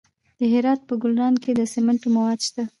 د هرات په ګلران کې د سمنټو مواد شته.